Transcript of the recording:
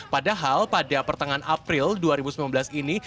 padahal pada pertengahan april dua ribu sembilan belas ini